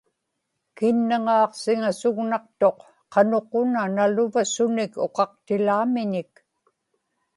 kinnaŋaaqsiŋasugnaqtuq qanuq una naluva sunik uqaqtilaamiñik